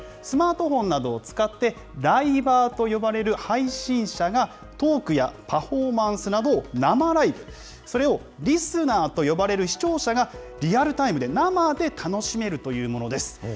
スマートフォンなどを使って、ライバーと呼ばれる配信者が、トークやパフォーマンスなどを生ライブ、それをリスナーと呼ばれる視聴者が、リアルタイムで生で楽しめるというものです。